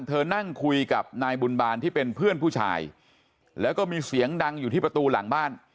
เธอนั่งคุยกับนายบุญบาลที่เป็นเพื่อนผู้ชายแล้วก็มีเสียงดังอยู่ที่ประตูหลังบ้าน